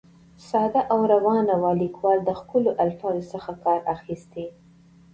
ساده او روانه وه، ليکوال د ښکلو الفاظو څخه کار اخیستى.